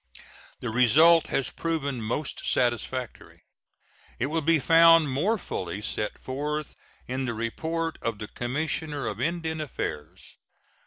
The result has proven most satisfactory. It will De found more fully set forth in the report of the Commissioner of Indian Affairs.